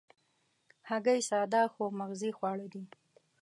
هګۍ ساده خو مغذي خواړه دي.